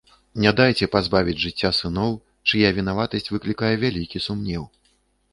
Не дайце пазбавіць жыцця сыноў, чыя вінаватасць выклікае вялікі сумнеў.